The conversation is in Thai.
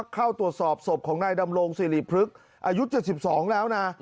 เข้าตรวจสอบศพของนายดำรงสิริพฤกษ์อายุ๗๒แล้วนะ